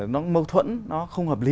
nó mâu thuẫn nó không hợp lý